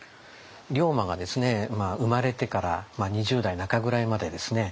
龍馬が生まれてから２０代中ぐらいまでですね